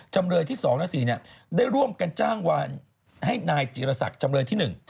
จำเลยที่๒และ๔ได้ร่วมกันจ้างวานให้นายจีรศักดิ์จำเลยที่๑